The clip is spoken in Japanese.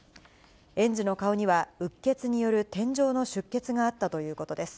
園児の顔にはうっ血による点状の出血があったということです。